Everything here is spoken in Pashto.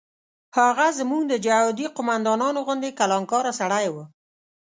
هغه زموږ د جهادي قوماندانانو غوندې کلانکاره سړی و.